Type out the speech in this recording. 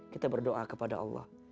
kita berdoa kepada allah